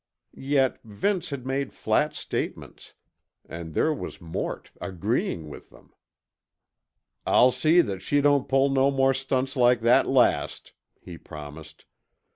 Yet, Vince had made flat statements, and there was Mort agreeing with them. "I'll see that she don't pull no more stunts like that last," he promised.